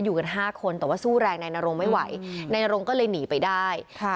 อยู่กันห้าคนแต่ว่าสู้แรงนายนรงไม่ไหวนายนรงก็เลยหนีไปได้ค่ะ